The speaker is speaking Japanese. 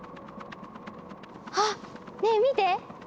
あっねえ見て！